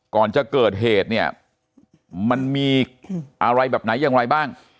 ก่อนจะเกิดเหตุเนี่ยมันมีอะไรแบบไหนอย่างไรบ้าง